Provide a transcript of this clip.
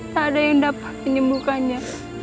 tak ada yang dapat menyembuhkannya